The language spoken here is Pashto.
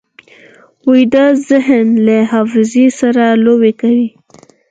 ویده ذهن له حافظې سره لوبې کوي